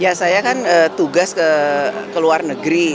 ya saya kan tugas ke luar negeri